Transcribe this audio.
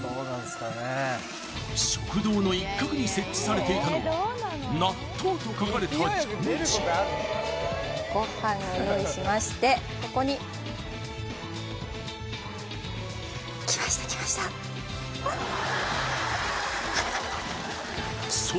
食堂の一角に設置されていたのは「納豆」と書かれた蛇口ご飯を用意しましてここにきましたきましたわ